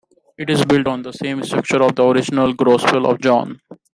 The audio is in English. It is built on the same structure of the original Gospel of John.